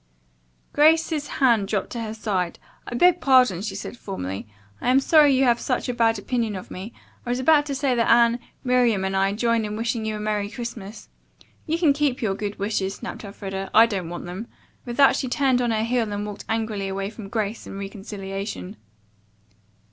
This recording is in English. Grace's hand dropped to her side. "I beg pardon," she said formally. "I am sorry you have such a bad opinion of me. I was about to say that Anne, Miriam and I join in wishing you a Merry Christmas." "You can keep your good wishes," snapped Elfreda. "I don't want them." With that she turned on her heel and walked angrily away from Grace and reconciliation.